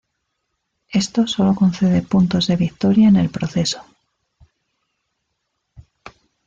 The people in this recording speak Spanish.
Esto sólo concede puntos de victoria en el proceso.